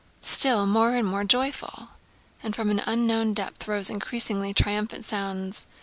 Still more and more joyful!" And from an unknown depth rose increasingly triumphant sounds.